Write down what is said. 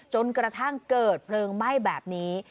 จนกระทั่งเกิดเพลิงไหม้แบบนี้